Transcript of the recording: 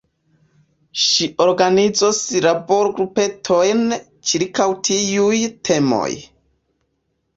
Ŝi organizos laborgrupetojn ĉirkaŭ tiuj temoj.